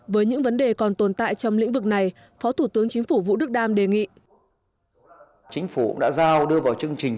với những vấn đề còn tồn tại trong lĩnh vực này phó thủ tướng chính phủ vũ đức đam đề nghị